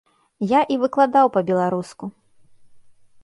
Я і выкладаў па-беларуску.